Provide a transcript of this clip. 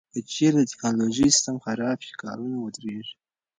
که چیرې د ټکنالوژۍ سیستم خراب شي، کارونه ودریږي.